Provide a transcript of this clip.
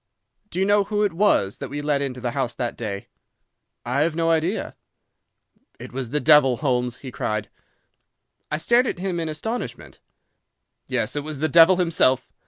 "'Do you know who it was that we let into the house that day?' "'I have no idea.' "'It was the devil, Holmes,' he cried. "I stared at him in astonishment. "'Yes, it was the devil himself.